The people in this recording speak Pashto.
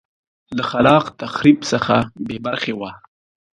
د خلاق تخریب څخه بې برخې وه